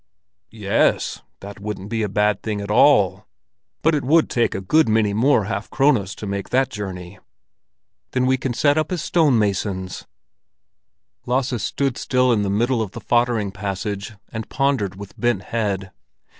"Ye es, that wouldn't be a bad thing at all. But it would take a good many more half krones to make that journey." "Then we can set up as stone masons." Lasse stood still in the middle of the foddering passage, and pondered with bent head.